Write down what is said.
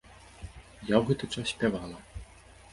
Я ў гэты час спявала.